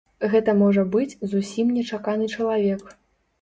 Гэта можа быць зусім нечаканы чалавек.